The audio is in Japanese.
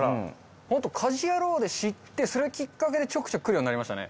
本当『家事ヤロウ！！！』で知ってそれをきっかけでちょくちょく来るようになりましたね。